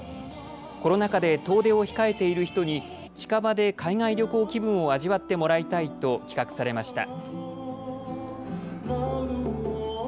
コロナ禍で遠出を控えている人に近場で海外旅行気分を味わってもらいたいと企画されました。